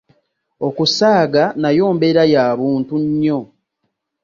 Okusaaga nayo mbeera ya buntu nnyo.